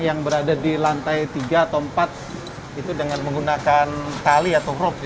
yang berada di lantai tiga atau empat itu dengan menggunakan tali atau rock